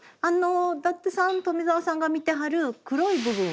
伊達さん富澤さんが見てはる黒い部分